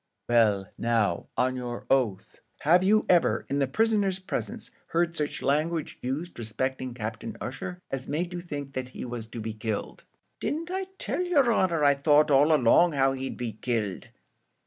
"Well, now, on your oath, have you ever, in the prisoner's presence, heard such language used respecting Captain Ussher as made you think that he was to be killed?" "Didn't I tell yer honour I thought all along how he'd be killed."